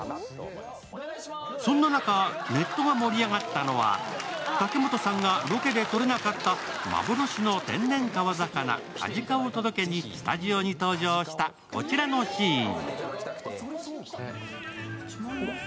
そんな中、ネットが盛り上がったのは、茸本さんがロケでとれなかった幻の天然川魚、カジカを届けにスタジオに登場した、こちらのシーン。